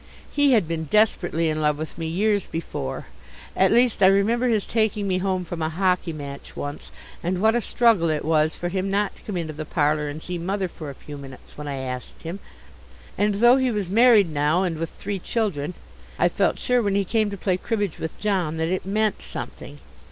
He had been desperately in love with me years before at least I remember his taking me home from a hockey match once, and what a struggle it was for him not to come into the parlour and see Mother for a few minutes when I asked him; and, though he was married now and with three children, I felt sure when he came to play cribbage with John that it meant something.